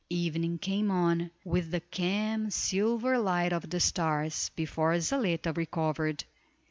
Evening came on, with the calm, silver light of the stars, before Zaletta recovered.